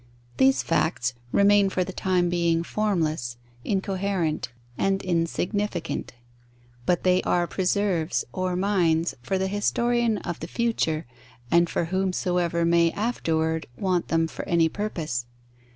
These facts remain for the time being formless, incoherent, and insignificant, but they are preserves, or mines, for the historian of the future and for whomsoever may afterwards want them for any purpose.